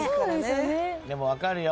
でも分かるよ。